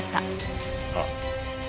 ああ。